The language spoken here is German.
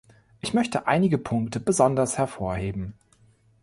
Ich möchte einige Punkte besonders hervorheben.